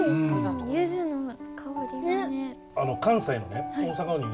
ゆずの香りがね。